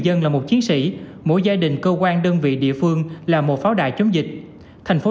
dân là một chiến sĩ mỗi gia đình cơ quan đơn vị địa phương là một pháo đài chống dịch thành phố